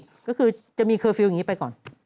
แต่จริงก็คือจะมีเครือฟิล์มอย่างนี้ไปก่อน